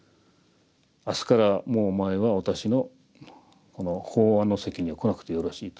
明日からもうお前は私の法話の席には来なくてよろしい」と。